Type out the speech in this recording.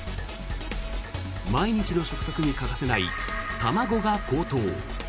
毎日の食卓に欠かせない卵が高騰。